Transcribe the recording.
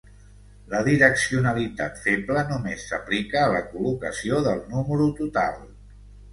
La direccionalitat feble només s'aplica a la col·locació del número total.